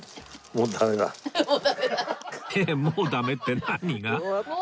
もうダメって何が？